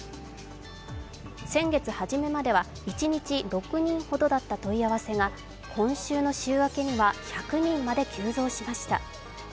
先月初めまでは一日６人ほどだった問い合わせが今週の週明けには、１００人まで急増しました。